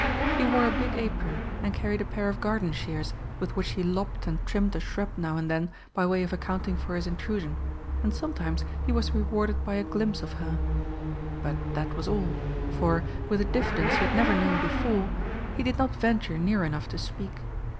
He wore a big apron and carried a pair of garden shears with which he lopped and trimmed a shrub now and then by way of accounting for his intrusion, and sometimes he was rewarded by a glimpse of her. But that was all, for, with a diffidence he had never known before, he did not venture near enough to speak.